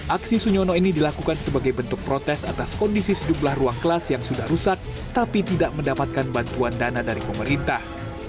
aksi sunyono ini dilakukan sebagai bentuk protes atas kondisi sejumlah ruang kelas yang sudah rusak tapi tidak mendapatkan bantuan dana dari pemerintah